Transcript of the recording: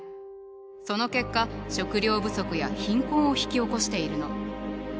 その結果食料不足や貧困を引き起こしているの。